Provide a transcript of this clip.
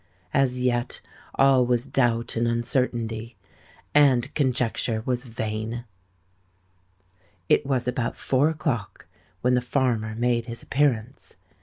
As yet all was doubt and uncertainty; and conjecture was vain! It was about four o'clock when the farmer made his appearance.